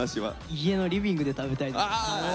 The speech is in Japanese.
家のリビングで食べたいと思います。